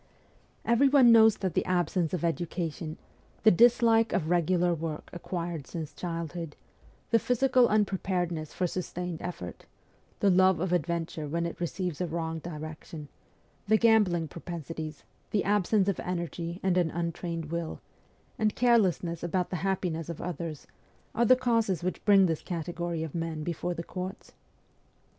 Everyone knows that the absence of education, the dislike of regular work acquired since childhood, the physical unpreparedness for sustained effort, the love of adventure when it receives a wrong direction, the gambling propensities, the absence of energy and an untrained will, and carelessness about the happiness of others, are the causes which bring this category of men before the courts.